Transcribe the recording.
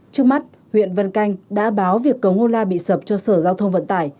trước mắt huyện vân canh đã báo việc cầu ngôi la bị sập cho sở giao thông vận tải